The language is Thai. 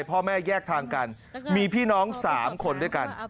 พ่อแม่แยกทางกันมีพี่น้อง๓คนด้วยกัน